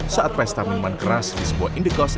saat pesta minuman keras di sebuah indikos